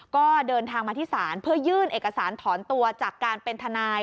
ก็เดินทางมาที่ศาลเพื่อยื่นเอกสารถอนตัวจากการเป็นทนาย